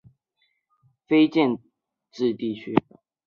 霍格乔是一个位于美国阿拉巴马州马歇尔县的非建制地区。